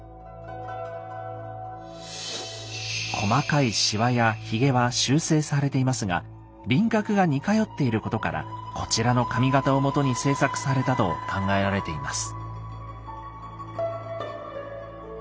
細かいしわやひげは修正されていますが輪郭が似通っていることからこちらの紙形をもとに制作されたと考えられています。